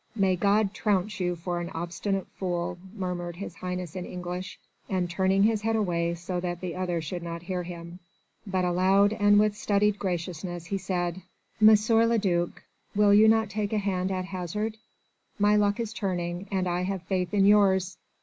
"May God trounce you for an obstinate fool," murmured His Highness in English, and turning his head away so that the other should not hear him. But aloud and with studied graciousness he said: "M. le duc, will you not take a hand at hazard? My luck is turning, and I have faith in yours.